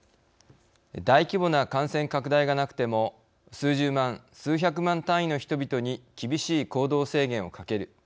大規模な感染拡大がなくても数十万数百万単位の人々に厳しい行動制限をかける。